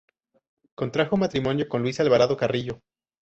Contrajo matrimonio con Luisa Alvarado Carrillo.